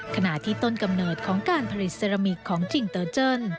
ขณะที่ต้นกำเนิดของการผลิตเซรามิกของจิงเตอร์เจิ้น